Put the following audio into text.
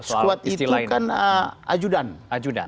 sekuat itu kan ajudan